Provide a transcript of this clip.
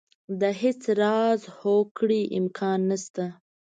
د هېڅ راز هوکړې امکان نه شته.